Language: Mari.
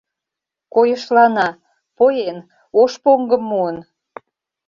— Койышлана — поен, ош поҥгым муын!